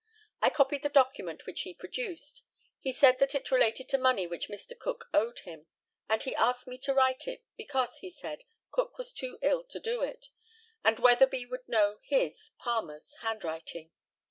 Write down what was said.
I copied the document which he produced. He said that it related to money which Mr. Cook owed him; and he asked me to write it, because, he said, Cook was too ill to do it, and Weatherby would know his (Palmer's) handwriting.